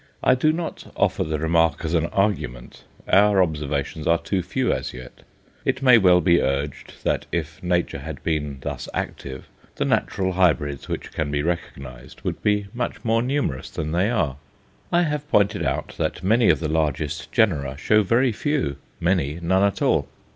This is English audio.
I do not offer the remark as an argument; our observations are too few as yet. It may well be urged that if Nature had been thus active, the "natural hybrids" which can be recognized would be much more numerous than they are. I have pointed out that many of the largest genera show very few; many none at all.